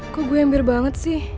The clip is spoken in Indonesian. kok gua yang bir banget sih